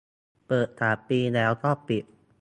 เปิดสามปีแล้วก็ปิด